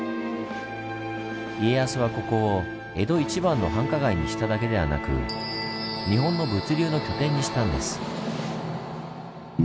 家康はここを江戸一番の繁華街にしただけではなく日本の物流の拠点にしたんです。